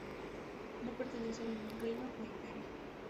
No pertenece a ningún reino o imperio.